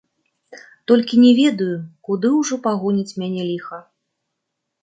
Толькі не ведаю, куды ўжо пагоніць мяне ліха.